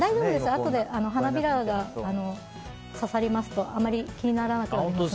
あとで、花びらが刺さりますとあまり気にならなくなります。